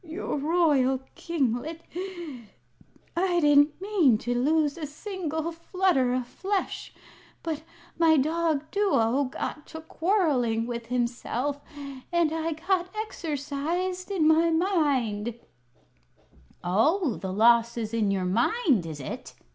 "Your royal kinglet, I didn't mean to lose a single flutter o' flesh. But my dog Duo got to quarrelling with himself and I got exercised in my mind " "Oh, the loss is in your mind, is it?"